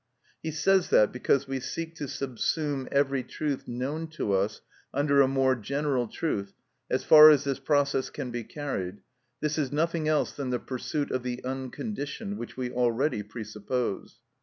He says that because we seek to subsume every truth known to us under a more general truth, as far as this process can be carried, this is nothing else than the pursuit of the unconditioned, which we already presuppose.